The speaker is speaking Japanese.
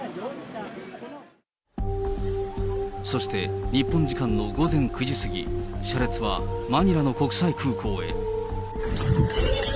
そして、日本時間の午前９時過ぎ、車列はマニラの国際空港へ。